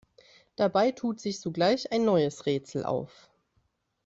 Dabei tut sich sogleich ein neues Rätsel auf.